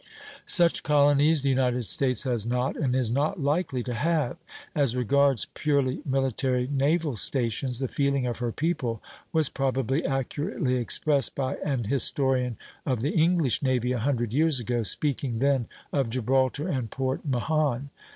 Such colonies the United States has not and is not likely to have. As regards purely military naval stations, the feeling of her people was probably accurately expressed by an historian of the English navy a hundred years ago, speaking then of Gibraltar and Port Mahon.